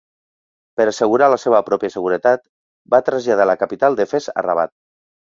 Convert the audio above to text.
Per assegurar la seva pròpia seguretat, va traslladar la capital de Fes a Rabat.